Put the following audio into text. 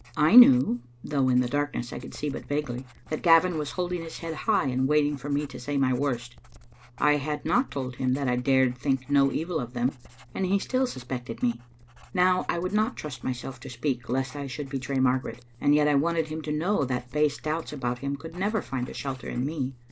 I knew, though in the darkness I could see but vaguely, that Gavin was holding his head high and waiting for me to say my worst. I had not told him that I dared think no evil of him, and he still suspected me. Now I would not trust myself to speak lest I should betray Margaret, and yet I wanted him to know that base doubts about him could never find a shelter in me.